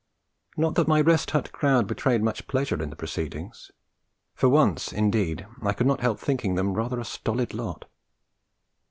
Not that my Rest Hut crowd betrayed much pleasure in the proceedings; for once, indeed, I could not help thinking them rather a stolid lot.